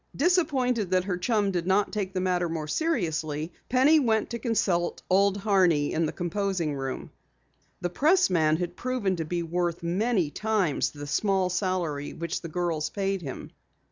Disappointed that her chum did not take the matter more seriously, Penny went to consult Old Horney in the composing room. The pressman had proven to be worth many times the small salary which the girls paid him.